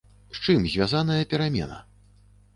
З чым звязаная перамена?